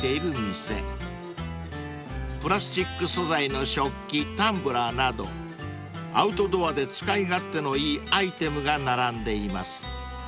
［プラスチック素材の食器タンブラーなどアウトドアで使い勝手のいいアイテムが並んでいます］